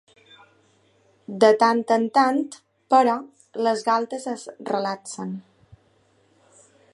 De tant en tant, però, les galtes es relaxen.